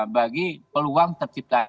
bagi peluang terciptanya